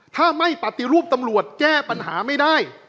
ถ้าไม่ปฏิรูปตำรวจแก้ปัญหาไม่ได้